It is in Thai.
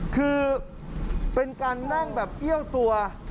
คือเป็นการนั่งแบบเอี้ยวตัว